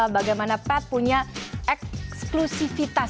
bagaimana pad punya eksklusifitas